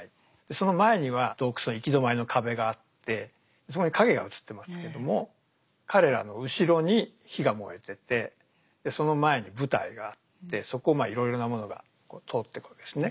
その前には洞窟の行き止まりの壁があってそこに影が映ってますけども彼らの後ろに火が燃えててその前に舞台があってそこをいろいろなものが通ってくわけですね。